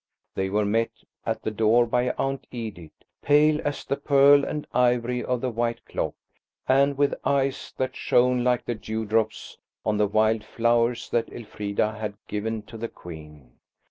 They were met at the door by Aunt Edith, pale as the pearl and ivory of the white clock, and with eyes that shone like the dewdrops on the wild flowers that Elfrida had given to the Queen.